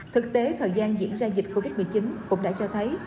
thực tế thời gian diễn ra dịch covid một mươi chín cũng đã cho thấy